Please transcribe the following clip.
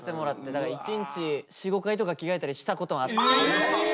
だから１日４５回とか着替えたりしたこともあって。